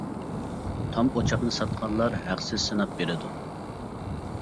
تام ئوچاقنى ساتقانلار ھەقسىز سىناپ بېرىدۇ.